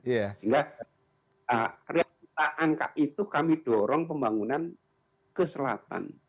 sehingga reaksita angka itu kami dorong pembangunan ke selatan